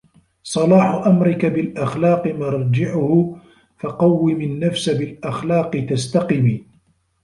صلاح أمرك بالأخلاق مرجعه فَقَوِّم النفس بالأخلاق تستقم